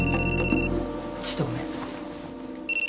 ちょっとごめん。